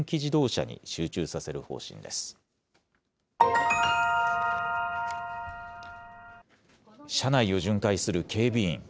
車内を巡回する警備員。